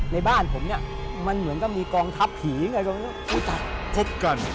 ในบ้านผมเนี่ยมันเหมือนกับมีกองทัพผีไงพบกัน